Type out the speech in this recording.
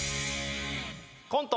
コント